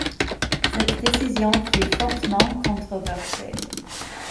Cette décision fut fortement controversée.